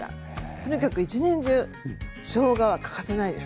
とにかく一年中しょうがは欠かせないです。